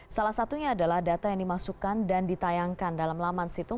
salah satunya adalah data yang dimasukkan dan ditayangkan dalam laman situng